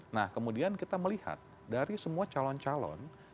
nah kemudian kita melihat dari semua calon calon